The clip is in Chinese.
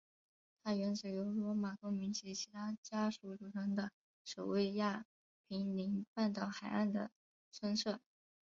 它原指由罗马公民及其家属组成的守卫亚平宁半岛海岸的村社。